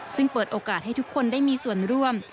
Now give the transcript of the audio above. ซึ่งเปิดโอกาสให้ทุกคนได้มีส่วนร่วม